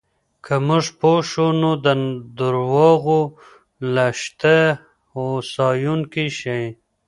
که موږ پوه شو، نو د درواغو له شته هوسایونکی شي.